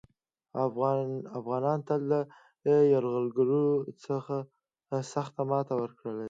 افغانانو تل یرغلګرو ته سخته ماته ورکړې ده